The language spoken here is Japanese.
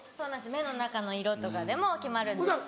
目の中の色とかでも決まるんですけど。